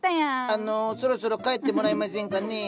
あのそろそろ帰ってくれませんかねぇ。